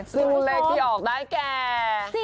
สูงเลขที่ออกได้แก